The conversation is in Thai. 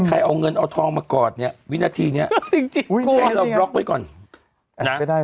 ใครเอาเงินเอาทองมากอดเนี้ยวินาทีเนี้ยจริงจริงอุ๊ยไม่ได้